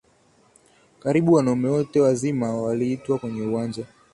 karibu wanaume wote wazima waliitwa kwenye uwanja